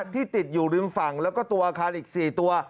ที่ติดอยู่ริมฝั่งแล้วก็ตัวอาคารอีก๔ตัว